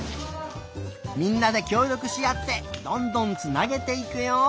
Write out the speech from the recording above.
みんなできょうりょくしあってどんどんつなげていくよ。